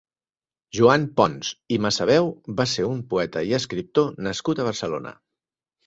Joan Pons i Massaveu va ser un poeta i escriptor nascut a Barcelona.